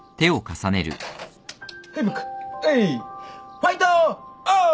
ファイトオー。